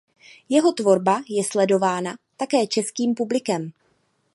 Jeho tvorba je sledována také českým publikem.